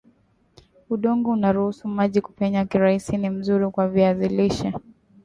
udongo unaruhusu maji kupenya kirahisi ni mzuri kwa viazi lishe